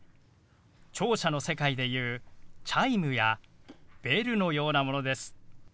聴者の世界でいうチャイムやベルのようなものです。